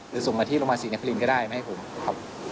หรือส่งมาที่โรงพยาบาลสินคลินก็ได้ไม่ให้ผม